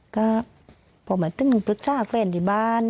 ก็บอกหมายถึงตรูดชากแวนดีบ้าน